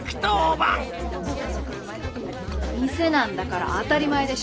店なんだから当たり前でしょ。